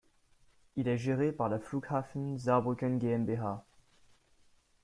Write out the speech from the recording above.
Il est géré par la Flughafen Saarbrücken GmbH.